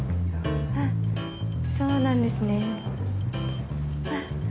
あっそうなんですね。